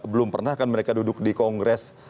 belum pernah kan mereka duduk di kongres